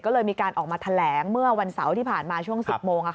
ก็เลยมีการออกมาแถลงเมื่อวันเสาร์ที่ผ่านมาช่วง๑๐โมง